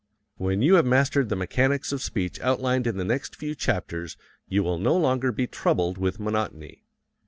When you have mastered the mechanics of speech outlined in the next few chapters you will no longer be troubled with monotony.